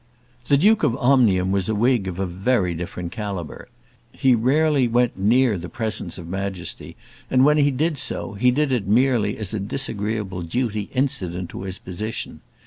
The Duke of Omnium was a Whig of a very different calibre. He rarely went near the presence of majesty, and when he did do so, he did it merely as a disagreeable duty incident to his position.